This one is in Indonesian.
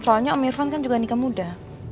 soalnya pak irfan kan juga nikah muda